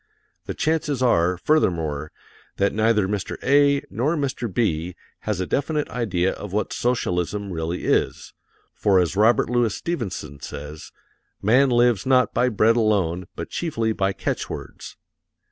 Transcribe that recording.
The chances are, furthermore, that neither Mr. A. nor Mr. B. has a definite idea of what socialism really is, for as Robert Louis Stevenson says, "Man lives not by bread alone but chiefly by catch words."